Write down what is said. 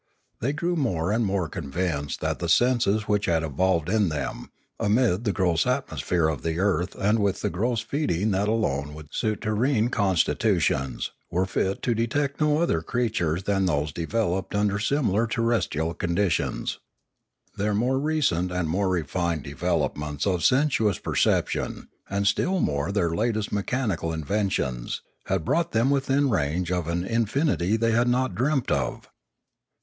They grew more and more convinced that the senses which had evolved in them, amid the gross atmosphere of the earth and with the gross feeding that alone would suit terrene constitutions, were fit to detect no other creatures than those developed under similar terrestrial conditions. Their more recent and more refined developments of sensuous perception, and still more their latest mechanical inventions, had brought them within range of an infinity they had not dreamt of.